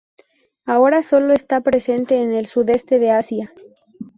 Ahora sólo está presente en el sudeste de Asia.